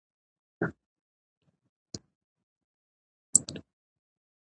د ايبټ اباد په غره کې